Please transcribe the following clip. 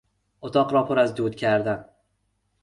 اتاق را پر از دود کردن